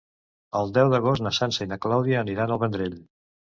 El deu d'agost na Sança i na Clàudia aniran al Vendrell.